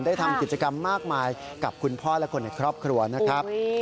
ทำกิจกรรมมากมายกับคุณพ่อและคนในครอบครัวนะครับ